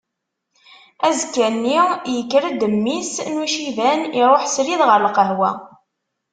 Azekka-nni yekker-d mmi-s n uciban iruḥ srid ɣer lqahwa.